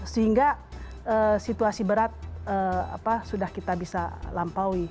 sehingga situasi berat sudah kita bisa lampaui